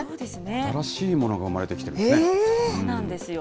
新しいものが生まれてきてるんですね。